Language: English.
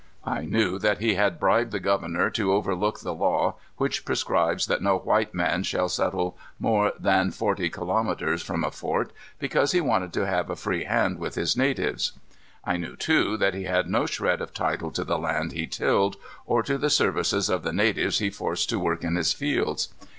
I knew that he had bribed the governor to overlook the law which prescribes that no white man shall settle more than forty kilometers from a fort, because he wanted to have a free hand with his natives. I knew, too, that he had no shred of title to the land he tilled, or to the services of the natives he forced to work in his fields.